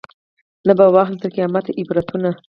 نه به واخلي تر قیامته عبرتونه